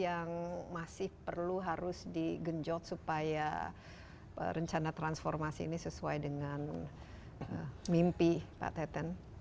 yang masih perlu harus digenjot supaya rencana transformasi ini sesuai dengan mimpi pak teten